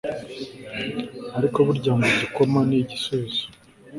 ariko burya ngo igikoma ni igisubizo